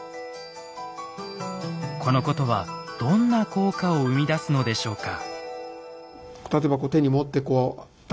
このことはどんな効果を生み出すのでしょうか？